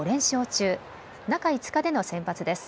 中５日での先発です。